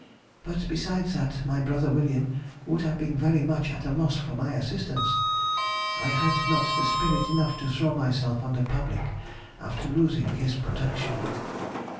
But besides that my brother William would have been very much at a loss for my assistance, I had not spirit enough to throw myself on the public after losing his protection.